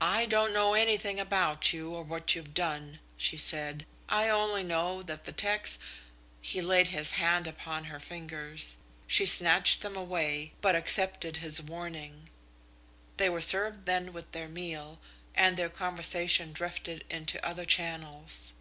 "I don't know anything about you, or what you've done," she said. "I only know that the tecs " He laid his hand upon her fingers. She snatched them away but accepted his warning. They were served then with their meal, and their conversation drifted into other channels.